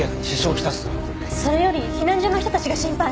それより避難所の人たちが心配！